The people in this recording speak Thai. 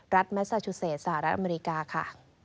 รัฐแมซ่าชูเซตสหรัฐอเมริกา